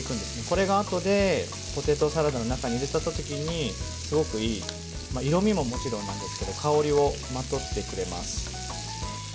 これがあとでポテトサラダの中に入れた時にすごくいい色味ももちろんなんですけど香りをまとってくれます。